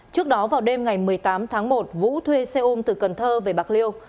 trước đó vào đêm ngày một mươi tám tháng một vũ thuê xe ôm từ cần thơ về bạc liêu